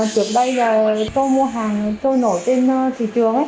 trước đây tôi mua hàng trôi nổi trên thị trường